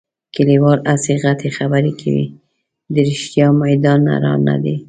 کلیوال هسې غټې خبرې کوي. د رښتیا میدان نران نه دي.